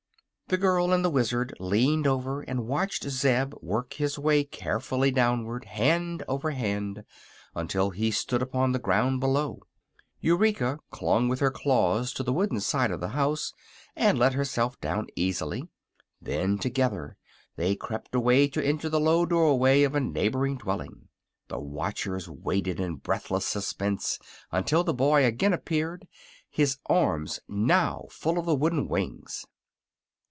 The girl and the Wizard leaned over and watched Zeb work his way carefully downward, hand over hand, until he stood upon the ground below. Eureka clung with her claws to the wooden side of the house and let herself down easily. Then together they crept away to enter the low doorway of a neighboring dwelling. The watchers waited in breathless suspense until the boy again appeared, his arms now full of the wooden wings.